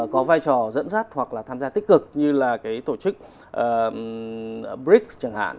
có vai trò dẫn dắt hoặc là tham gia tích cực như là cái tổ chức brics chẳng hạn